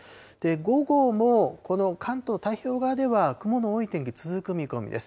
午後も、この関東、太平洋側では雲の多い天気、続く見込みです。